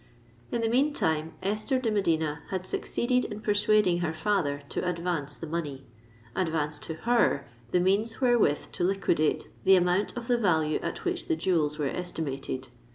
In the meantime Esther de Medina had succeeded in persuading her father to advance the money,—advance to her the means wherewith to liquidate the amount of the value at which the jewels were estimated.